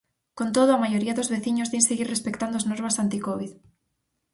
Con todo, a maioría dos veciños din seguir respectando as normas anticovid.